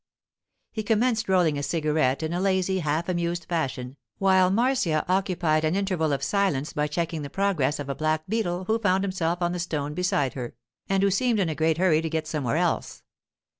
He commenced rolling a cigarette in a lazy, half amused fashion, while Marcia occupied an interval of silence by checking the progress of a black beetle who found himself on the stone beside her, and who seemed in a great hurry to get somewhere else.